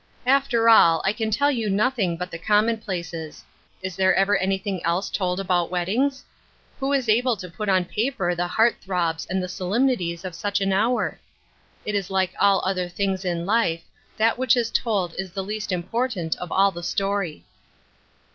After all, I can tell you nothing but the com monplaces. Is there ever anything else told about weddings ? Who is able to put on paper the heart throbs and the solemnities of such an hour ? It is like all other things in life — that which is told is the least important of aU the story.